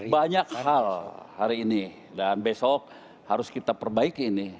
banyak hal hari ini dan besok harus kita perbaiki ini